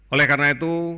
oleh karena itu